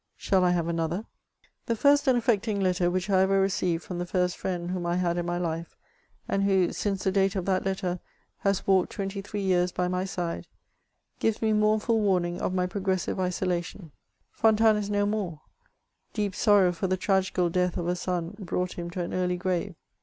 Shall I have another? This first and afiecting letter which I ever received from the first friend whom I had in my life, and who, since the date of that letter, has walked tw^ity three years by my side, gives me mournful wammg of my p^gressive isolation. ^ Fon tanes is no more : deep sorrow for the tragical death of a son brought him to an early grave.